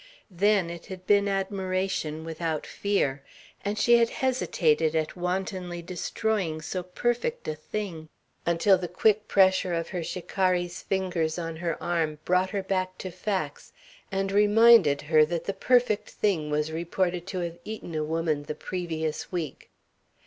Then it had been admiration without fear, and she had hesitated at wantonly destroying so perfect a thing, until the quick pressure of her shikari's fingers on her arm brought her back to facts and reminded her that the "perfect thing" was reported to have eaten a woman the previous week.